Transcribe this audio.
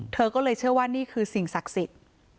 เธอก็เลยเชื่อว่านี่คือสิ่งศักดิ์สิทธิ์